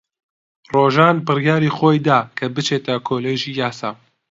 ڕۆژان بڕیاری خۆی دا کە بچێتە کۆلێژی یاسا.